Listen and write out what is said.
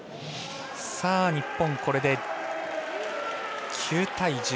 日本、これで９対１０。